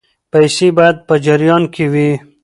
پیسې باید په جریان کې وي.